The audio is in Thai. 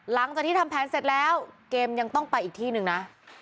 หลังจากที่ทำแผนเสร็จแล้วเกมยังต้องไปอีกที่หนึ่งนะ